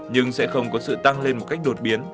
nhưng sẽ không có sự tăng lên một cách đột biến